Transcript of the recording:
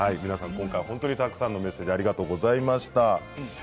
今回、たくさんのメッセージありがとうございました。